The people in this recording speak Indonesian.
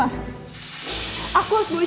aku harus bawa siva ke rumah sakit tante